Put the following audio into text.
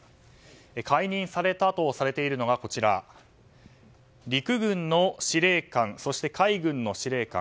解任されたとされているのが陸軍の司令官そして海軍の司令官。